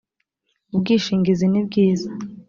ubwishingizi nibwiza .